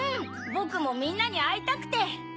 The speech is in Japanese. ボクもみんなにあいたくて。